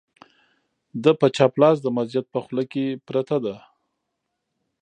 د په چپ لاس د مسجد په خوله کې پرته ده،